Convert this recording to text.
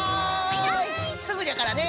すぐじゃからね。